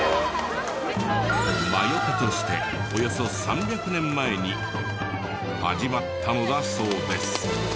魔除けとしておよそ３００年前に始まったのだそうです。